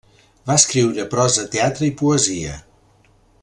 Va escriure prosa, teatre i poesia.